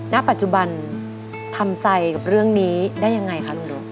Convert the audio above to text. ณปัจจุบันทำใจกับเรื่องนี้ได้ยังไงคะลุงนก